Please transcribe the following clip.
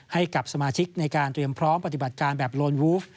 ให้กับสมาชิกในการเตรียมพร้อมปฏิบัติการแบบโลนวูฟ